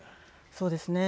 そうですね。